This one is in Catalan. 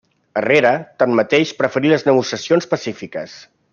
Herrera, tanmateix, preferí les negociacions pacífiques.